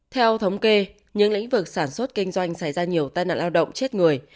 theo thống kê những lĩnh vực sản xuất kinh doanh xảy ra nhiều tai nạn lao động chết người